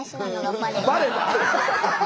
バレた？